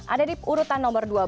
ada di urutan nomor dua belas